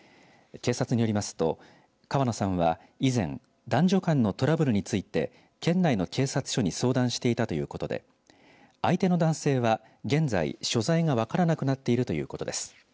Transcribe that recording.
警察によりますと、川野さんは以前、男女間のトラブルについて県内の警察署に相談していたということで相手の男性は現在所在が分からなくなっているということです。